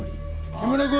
木村君。